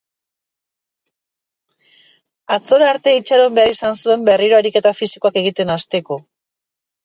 Atzora arte itxaron behar izan zuen berriro ariketa fisikoak egiten hasteko.